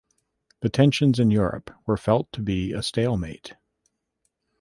The tensions in Europe were felt to be a stalemate.